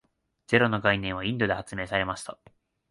ゼロの概念はインドで発明されました。